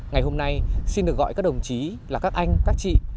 ngày hôm nay xin được gọi các đồng chí là các anh các chị